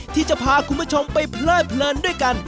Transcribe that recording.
ที่จะพาคุณผู้ชมไปเพลิดเพลินด้วยกัน